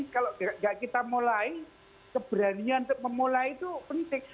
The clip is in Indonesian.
kalau tidak kita mulai keberanian untuk memulai itu penting